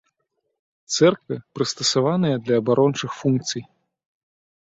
Цэрквы прыстасаваныя для абарончых функцый.